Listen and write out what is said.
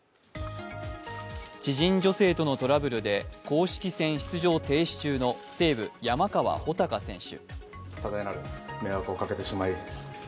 知人女性とのトラブルで公式戦出場停止中の西武・山川穂高選手。